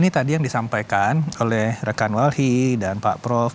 ini tadi yang disampaikan oleh rekan walhi dan pak prof